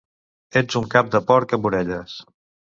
Ets un cap de porc amb orelles!